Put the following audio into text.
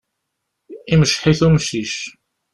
Imceḥ-it umcic.